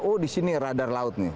oh disini radar laut nih